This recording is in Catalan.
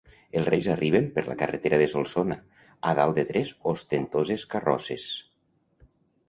Els Reis arriben per la carretera de Solsona, a dalt de tres ostentoses carrosses.